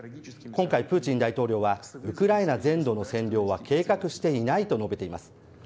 今回、プーチン大統領はウクライナ全土の占領は計画していないと述べています。